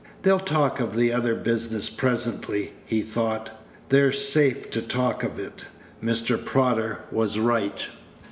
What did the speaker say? "They'll talk of the other business presently," he thought; "they're safe to talk of it." Mr. Prodder was right.